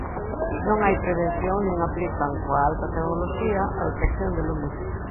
Non hai prevención nin aplican, coa alta tecnoloxía, a detección de lumes.